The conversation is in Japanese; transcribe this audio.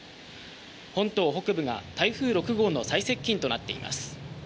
本島北部が台風６号の最接近となっています。